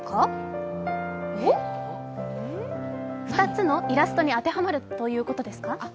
２つのイラストに当てはまるということですか。